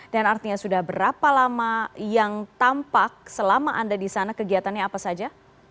dan artinya sudah berapa lama yang tampak selama anda di sana kegiatannya apa saja